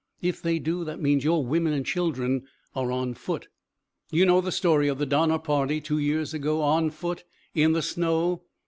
If they do, that means your women and children are on foot. You know the story of the Donner party, two years ago on foot, in the snow.